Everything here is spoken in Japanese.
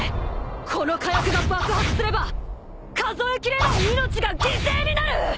この火薬が爆発すれば数えきれない命が犠牲になる！